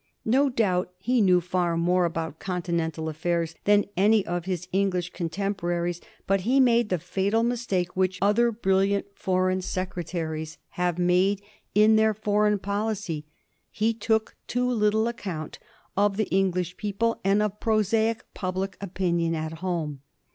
No doubt he knew far more about continental affairs than any of his English contemporaries; but he made the fatal mistake which other brilliant foreign sec VOL. II. — 11 242 A HISTORY OF THE I^'OUll GEORGEa dLXxxvii. retaries have made in their foreign policy : he took too little account oi; the English people and of prosaic public opinion at borne.